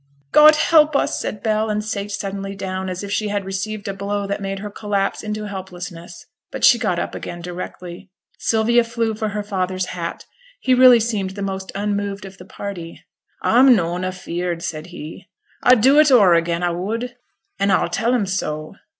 'God help us!' said Bell, and sate suddenly down, as if she had received a blow that made her collapse into helplessness; but she got up again directly. Sylvia flew for her father's hat. He really seemed the most unmoved of the party. 'A'm noane afeared,' said he. 'A'd do it o'er again, a would; an' a'll tell 'em so.